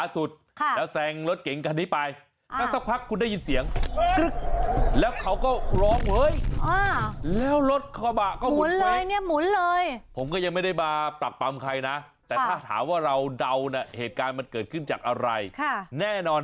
ซังต้องระวังทุกวินาทีจริง